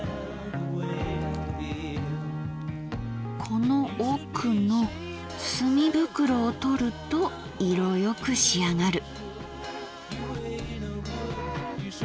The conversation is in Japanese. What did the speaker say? この奥の墨袋を取ると色よく仕上がる。